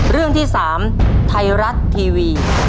เรื่องที่๓ไทยรัฐทีวี